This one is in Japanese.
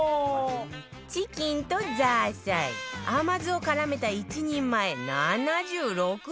チキンとザーサイ甘酢を絡めた１人前７６円丼